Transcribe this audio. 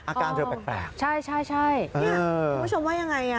อาการเธอแปลกใช่คุณผู้ชมว่ายังไง